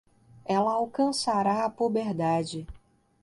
Ela alcançará a puberdade